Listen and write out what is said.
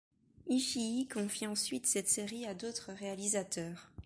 Ishii confie ensuite cette série à d'autres réalisateurs.